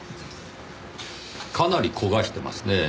かなり焦がしてますねぇ。